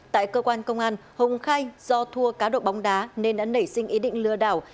tại cơ quan công an hùng khai do thua cá độ bóng đá nên đã nảy sinh ý định lừa đảo